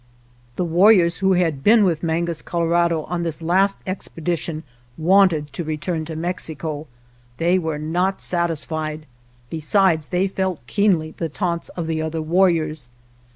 The warriors who had been with Mangus Colorado on this last expedition wanted to return to Mexico. They were not satisfied, besides they felt keenly the taunts of the other warriors.